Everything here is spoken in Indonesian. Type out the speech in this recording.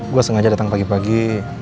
gue sengaja datang pagi pagi